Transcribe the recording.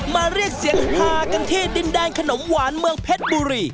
มาเรียกเสียงฮากันที่ดินแดนขนมหวานเมืองเพชรบุรี